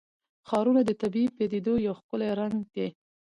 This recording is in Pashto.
ښارونه د طبیعي پدیدو یو ښکلی رنګ دی.